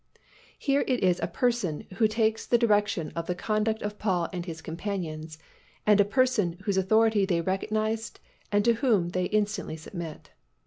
Here it is a Person who takes the direction of the conduct of Paul and his companions and a Person whose authority they recognized and to whom they instantly submit.